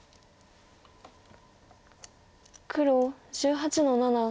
黒１８の七。